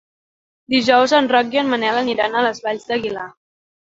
Dijous en Roc i en Manel aniran a les Valls d'Aguilar.